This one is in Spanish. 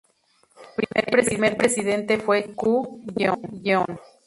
El primer presidente fue Chun-koo Jeong.